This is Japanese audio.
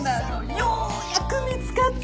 ようやく見つかったの。